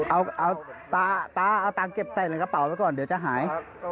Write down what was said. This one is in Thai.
เอาตาเก็บใส่ในกระเป๋าไปก่อนเดี๋ยวจะหาย